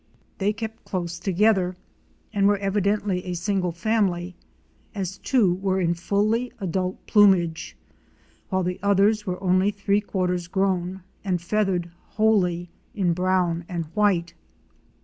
They kept close together and were evidently a single family, as two were in fully adult plumage, while the others were only three quarters grown, and feathered wholly in brown and white.